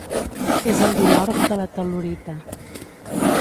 És el dimorf de la tel·lurita.